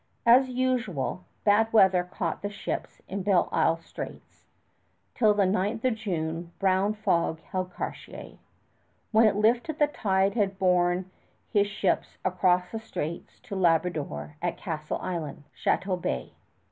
As usual, bad weather caught the ships in Belle Isle Straits. Till the 9th of June brown fog held Cartier. When it lifted the tide had borne his ships across the straits to Labrador at Castle Island, Château Bay.